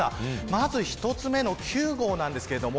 まず１つ目の９号なんですけれども。